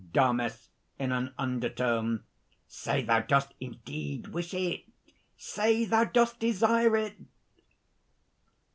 DAMIS (in an undertone). "Say thou dost indeed wish it! say thou dost desire it!"